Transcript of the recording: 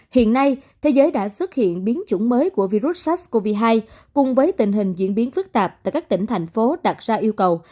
hiện nay thế giới đã xuất hiện biến chủng mới của virus sars cov hai cùng với tình hình diễn biến phức tạp tại các tỉnh thành phố đặt ra yêu cầu